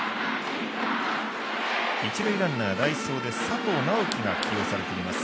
一塁ランナー、代走で佐藤直樹が起用されています。